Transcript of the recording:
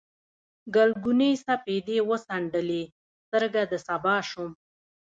ګلګونې سپېدې وڅنډلې، سترګه د سبا شوم